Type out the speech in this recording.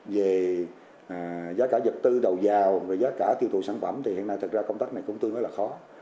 về giá cả dập tư đầu giàu giá cả tiêu thụ sản phẩm thì hiện nay công tác này cũng tươi khó